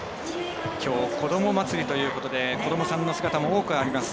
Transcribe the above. きょう、子ども祭りということで子どもさんの姿も多くあります。